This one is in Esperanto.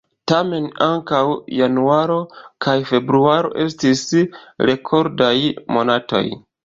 Tamen, ankaŭ januaro kaj februaro estis rekordaj monatoj.